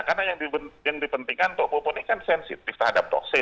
karena yang dipentingkan untuk pupuk ini kan sensitif terhadap toksis